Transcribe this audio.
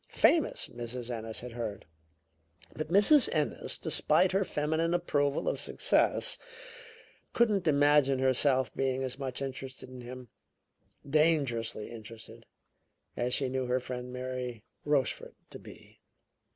Famous, Mrs. Ennis had heard. But Mrs. Ennis, despite her feminine approval of success, couldn't imagine herself being as much interested in him dangerously interested as she knew her friend Mary Rochefort to be.